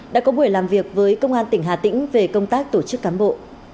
đã công bố về công tác tổ chức cán bộ